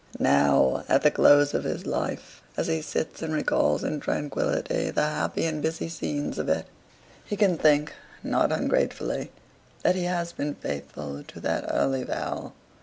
Now, at the close of his life, as he sits and recalls in tranquillity the happy and busy scenes of it, he can think, not ungratefully, that he has been faithful to that early vow.